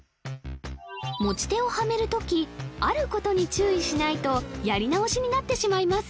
持ち手をはめるときあることに注意しないとやり直しになってしまいます